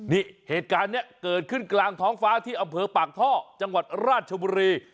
นี่เหตุการณ์นี้เกิดขึ้นกลางท้องฟ้าที่อำเภอปากท่อจังหวัดราชบุรี